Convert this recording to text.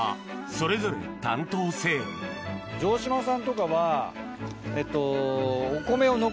それぞれ城島さんとかはえっと。